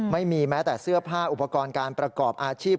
ไม่มีแม้แต่เสื้อผ้าอุปกรณ์การประกอบอาชีพ